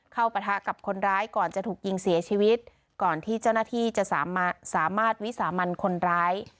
ปะทะกับคนร้ายก่อนจะถูกยิงเสียชีวิตก่อนที่เจ้าหน้าที่จะสามารถวิสามันคนร้าย